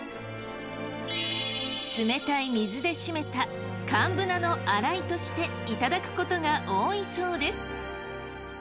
冷たい水で締めた寒ブナの洗いとしていただくことが多いそうです。